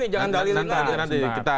jangan dalilin aja